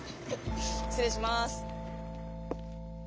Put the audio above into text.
失礼します。